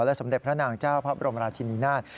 สมเด็จพระนางเจ้าพระบรมราชินินาศ